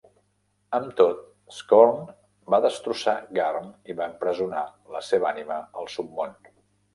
Amb tot, Skorne va destrossar Garm i va empresonar la seva ànima al Submón.